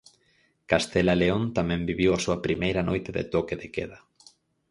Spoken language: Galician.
Castela e León tamén viviu a súa primeira noite de toque de queda.